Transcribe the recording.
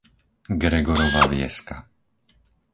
Gregorova Vieska